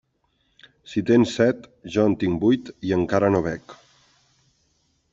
Si tens set, jo en tic vuit i encara no bec.